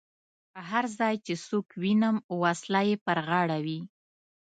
هر ځای چې څوک وینم وسله یې پر غاړه وي.